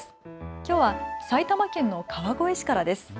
きょうは埼玉県の川越市からです。